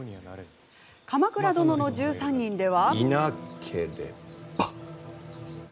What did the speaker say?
「鎌倉殿の１３人」では。